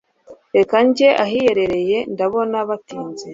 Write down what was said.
reka njye ahiherereye ndabona batinze»